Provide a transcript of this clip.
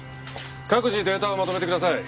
各自データをまとめてください。